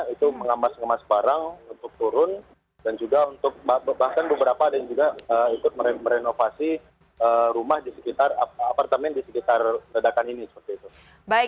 itu mengemas ngemas barang untuk turun dan juga untuk bahkan beberapa ada yang juga ikut merenovasi rumah di sekitar apartemen di sekitar ledakan ini seperti itu